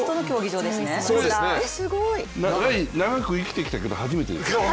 長く生きてきたけど初めてです。